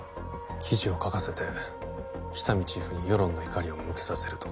記事を書かせて喜多見チーフに世論の怒りを向けさせると？